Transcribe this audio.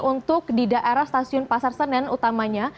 untuk di daerah stasiun pasar senen utamanya